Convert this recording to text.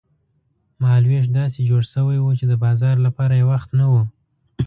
مهال وېش داسې جوړ شوی و چې د بازار لپاره یې وخت نه و.